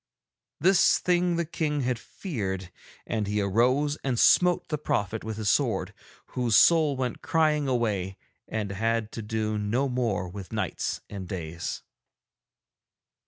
.." This thing the King had feared, and he arose and smote the prophet with his sword, whose soul went crying away and had to do no more with nights and days.